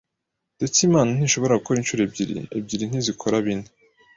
Ndetse Imana ntishobora gukora inshuro ebyiri ebyiri ntizikora bine.